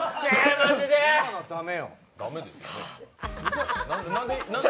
マジで。